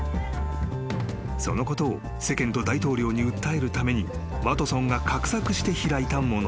［そのことを世間と大統領に訴えるためにワトソンが画策して開いたものだった］